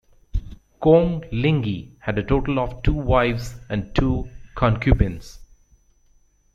Kong Lingyi had a total of two wives and two concubines.